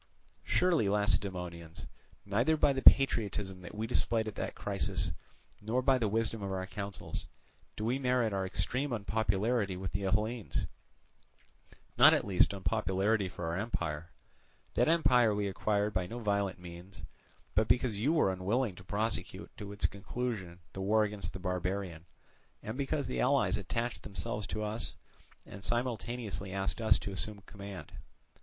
"Surely, Lacedaemonians, neither by the patriotism that we displayed at that crisis, nor by the wisdom of our counsels, do we merit our extreme unpopularity with the Hellenes, not at least unpopularity for our empire. That empire we acquired by no violent means, but because you were unwilling to prosecute to its conclusion the war against the barbarian, and because the allies attached themselves to us and spontaneously asked us to assume the command.